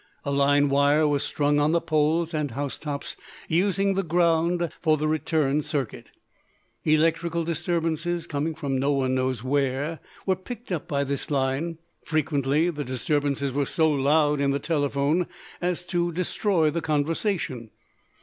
A line wire was strung on the poles and housetops, using the ground for the return circuit. Electrical disturbances, coming from no one knows where, were picked up by this line. Frequently the disturbances were so loud in the telephone as to destroy conversation.